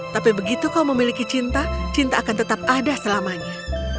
tapi begitu kau memiliki cinta cinta akan tetap ada selamanya